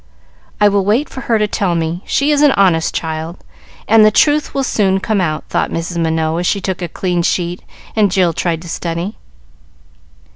"I will wait for her to tell me. She is an honest child, and the truth will soon come out," thought Mrs. Minot, as she took a clean sheet, and Jill tried to study.